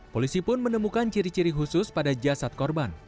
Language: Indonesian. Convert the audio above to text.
polisi pun menemukan ciri ciri khusus pada jasad korban